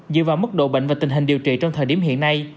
dựa vào mức độ bệnh và tình hình điều trị trong thời điểm hiện nay